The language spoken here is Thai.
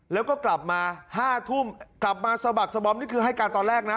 แล้วก็กลับมา๕ทุ่มกลับมาสะบักสบอมนี่คือให้การตอนแรกนะ